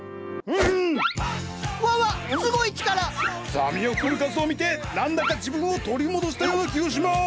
ザミオクルカスを見て何だか自分を取り戻したような気がします！